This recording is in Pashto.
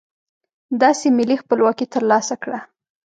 داسې ملي خپلواکي ترلاسه کړه.